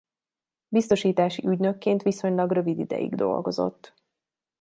Biztosítási ügynökként viszonylag rövid ideig dolgozott.